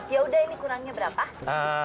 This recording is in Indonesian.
yaudah ini kurangnya berapa